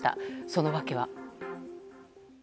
その訳は。